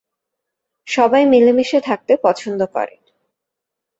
সবাই মিলেমিশে থাকতে পছন্দ করে।